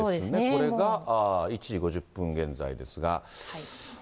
これが１時５０分現在ですが。